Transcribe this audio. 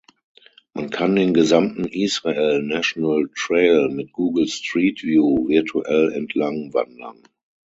Man kann den gesamten Israel National Trail mit Google Street View virtuell entlang wandern.